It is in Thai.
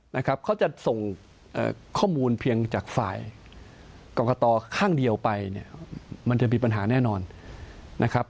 นะครับเขาจะส่งข้อมูลเพียงจากฝ่ายกรกตข้างเดียวไปเนี่ยมันจะมีปัญหาแน่นอนนะครับ